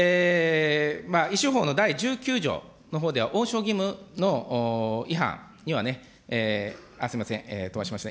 医師法の第１９条のほうではおうしょう義務の違反にはね、すみません、飛ばしました。